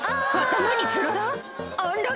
頭につらら？